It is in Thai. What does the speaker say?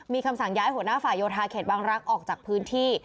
มีคำสั่งย้ายหัวหน้าฝ่ายโยธาเขตบางรักษ์ออกจากพื้นที่